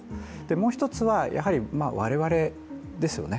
もう一つは、我々ですよね。